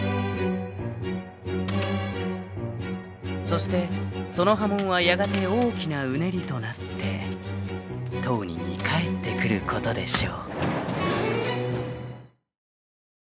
［そしてその波紋はやがて大きなうねりとなって当人に返ってくることでしょう］